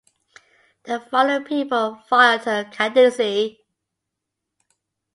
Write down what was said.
The following people filed for candidacy.